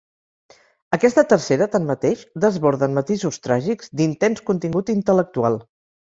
Aquesta tercera, tanmateix, desborda en matisos tràgics d'intens contingut intel·lectual.